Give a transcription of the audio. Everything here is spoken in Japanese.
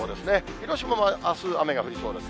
広島もあす、雨が降りそうです。